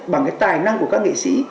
bằng cái tài năng của các nghệ sĩ